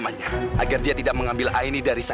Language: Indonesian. jangan lakukan apa apa